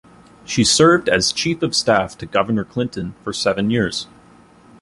She served as chief of staff to Governor Clinton for seven years.